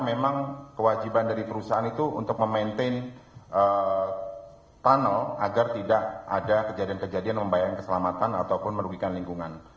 memang kewajiban dari perusahaan itu untuk memaintain tunnel agar tidak ada kejadian kejadian membayangkan keselamatan ataupun merugikan lingkungan